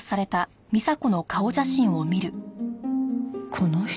この人。